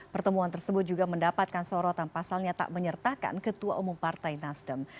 pertemuan tersebut juga mendapatkan sorotan pasalnya tak menyertakan ketua umum partai nasdem